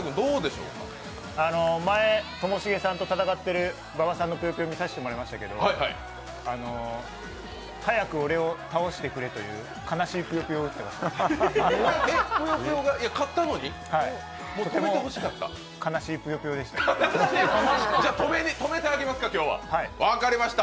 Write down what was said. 前ともしげさんと戦ってる馬場さんのぷよぷよ見せてもらいましたけど早く俺を倒してくれという、悲しいぷよぷよを打ってました。